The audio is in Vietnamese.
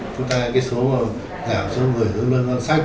chúng ta cái số giảm số người hướng ngân sách